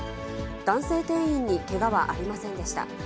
男性店員にけがはありませんでした。